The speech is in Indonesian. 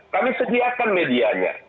kami sediakan medianya